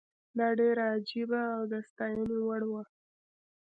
دا ډېره عجیبه او د ستاینې وړ وه.